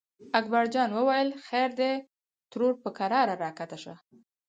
اکبر جان وویل: خیر دی ترور په کراره راکښته شه.